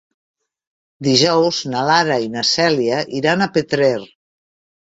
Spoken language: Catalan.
Dijous na Lara i na Cèlia iran a Petrer.